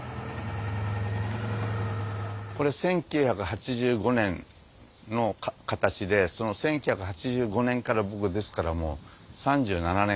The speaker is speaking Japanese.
これは１９８５年の形で１９８５年から僕ですから３７年間持ってます